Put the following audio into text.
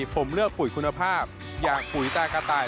ผมเลือกปุ๋ยคุณภาพอย่างปุ๋ยตากระต่าย